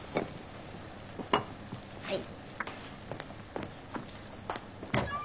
はい。